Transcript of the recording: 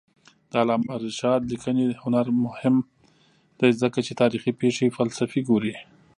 د علامه رشاد لیکنی هنر مهم دی ځکه چې تاریخي پېښې فلسفي ګوري.